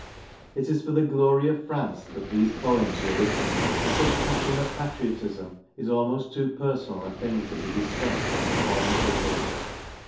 It is for the glory of France that these poems were written and such passionate patriotism is almost too personal a thing to be discussed by the foreign critic.